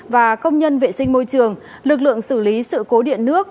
và công nhân vệ sinh môi trường lực lượng xử lý sự cố điện nước